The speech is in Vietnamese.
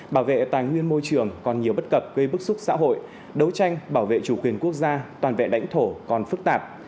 bảo vệ tài nguyên môi trường còn nhiều bất cập gây bức xúc xã hội đấu tranh bảo vệ chủ quyền quốc gia toàn vẹn lãnh thổ còn phức tạp